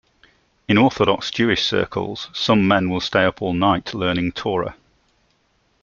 In Orthodox Jewish circles, some men will stay up all night learning Torah.